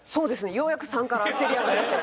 ようやく３からせり上がって。